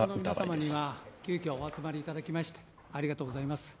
報道の皆様には急きょお集まりいただきまして、ありがとうございます。